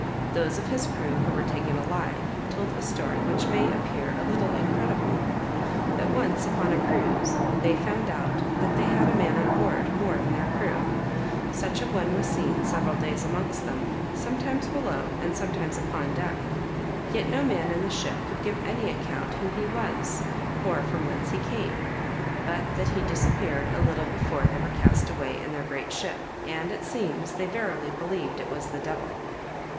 Those of his crew who were taken alive, told a story which may appear a little incredible. That once, upon a cruise, they found out that they had a man on board more than their crew; such a one was seen several days amongst them, sometimes below, and sometimes upon deck, yet no man in the ship could give any account who he was, or from whence he came; but that he disappeared a little before they were cast away in their great ship, and, it seems, they verily believed it was the devil.